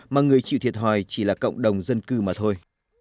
mà người chịu thiệt hỏi chỉ là cộng đồng dân cư mà thôi